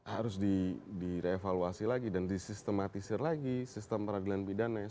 harus direevaluasi lagi dan disistematisir lagi sistem peradilan midananya